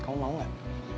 kamu mau gak